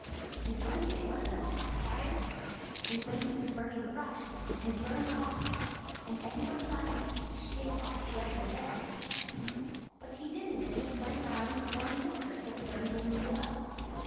And one day one of them caught fire, when he was burning brush, and burned off, and every one thought he'd HAVE to shave the other off then. But he didn't and just went round with one whisker till the burned one grew out.